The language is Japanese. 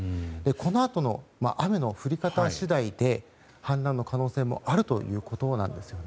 このあとの雨の降り方次第で氾濫の可能性もあるということです。